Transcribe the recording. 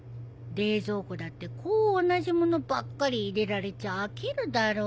冷蔵庫だってこう同じ物ばっかり入れられちゃ飽きるだろうに。